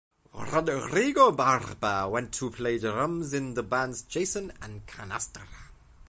Rodrigo Barba went to play drums in the bands Jason and Canastra.